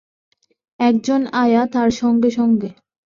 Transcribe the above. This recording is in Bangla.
একজন আয়া তার সঙ্গে সঙ্গে।